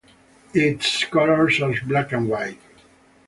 Its colors are black and white.